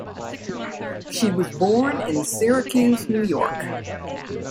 She was born in Syracuse, New York.